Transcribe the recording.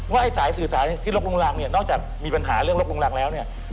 ไอ้สายสื่อสารที่ลบลุงรังเนี่ยนอกจากมีปัญหาเรื่องลบลุงรังแล้วเนี่ย